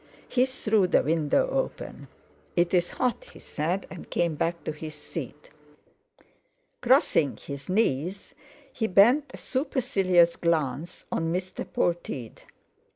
He threw the window open. "It's hot," he said, and came back to his seat. Crossing his knees, he bent a supercilious glance on Mr. Polteed.